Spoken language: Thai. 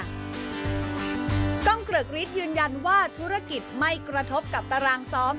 กล้องเกริกฤทธิ์ยืนยันว่าธุรกิจไม่กระทบกับตารางซ้อม